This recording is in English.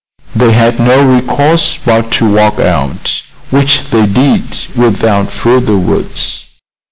They had no recourse but to walk out, which they did without further words.